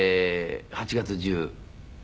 ８月１４日。